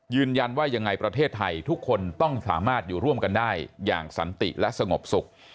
ยืนยันว่ายังไงประเทศไทยทุกคนต้องสามารถอยู่ร่วมกันได้อย่างสันติและสงบสุข